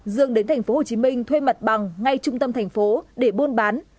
dương đến thành phố hồ chí minh thuê mặt bằng ngay trung tâm thành phố để buôn bán